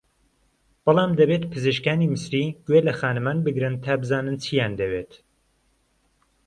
بەڵام دەبێت پزیشکانی میسری گوێ لە خانمان بگرن تا بزانن چییان دەوێت